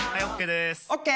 ＯＫ？